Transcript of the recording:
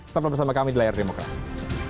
tetap bersama kami di layar demokrasi